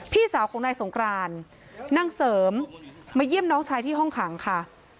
พี่สาวของนายสงกรานนางเสริมมาเยี่ยมน้องชายที่ห้องขังค่ะ